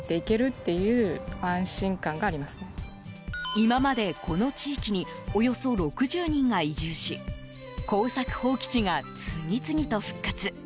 今まで、この地域におよそ６０人が移住し耕作放棄地が次々と復活。